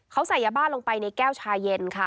เขาใส่ยาบ้าลงไปในแก้วชาเย็นค่ะ